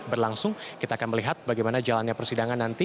berlangsung kita akan melihat bagaimana jalannya persidangan nanti